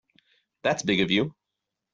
That's big of you.